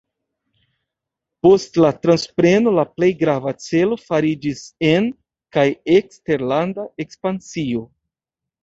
Post la transpreno la plej grava celo fariĝis en- kaj eksterlanda ekspansio.